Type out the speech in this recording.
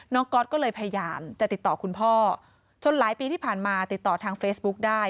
ก๊อตก็เลยพยายามจะติดต่อคุณพ่อจนหลายปีที่ผ่านมาติดต่อทางเฟซบุ๊กได้